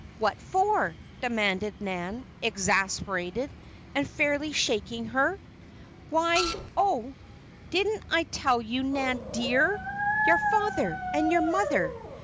"What for?" demanded Nan, exasperated, and fairly shaking her. "Why Oh! didn't I tell you? Nan dear! Your father! And your mother!